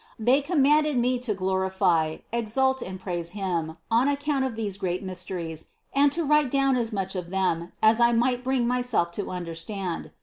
They commanded me to glorify, exalt and praise Him on account of these great mysteries and to write down so much of them, as I might bring myself to understand.